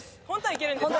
いけるんですか？